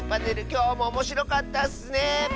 きょうもおもしろかったッスね！